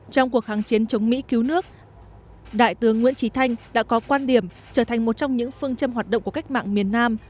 trong cuộc kháng chiến chống mỹ cứu nước đại tướng nguyễn trí thanh đã có quan điểm trở thành một trong những phương châm hoạt động của cách mạng miền nam